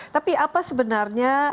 tapi apa sebenarnya